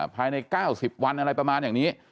ภายใน๙๐วันอะไรประมาณอย่างนี้